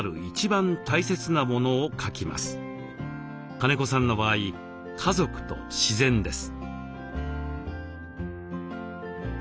金子さんの場合「家族」と「自然」です。